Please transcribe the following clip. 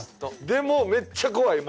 でもめっちゃ怖い。